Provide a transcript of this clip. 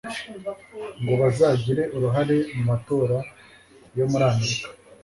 ngo bazagire uruhare mu matora yo muri Amerika